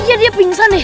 iya dia pingsan deh